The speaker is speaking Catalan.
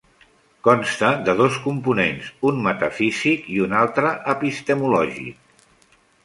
Consta de dos components: un metafísic i un altre epistemològic.